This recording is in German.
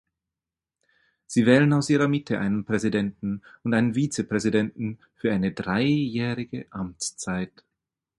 Sie wählen aus ihrer Mitte einen Präsidenten und einen Vizepräsidenten für eine dreijährige Amtszeit.